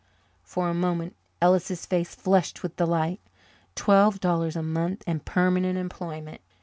For a moment Ellis's face flushed with delight. Twelve dollars a month and permanent employment!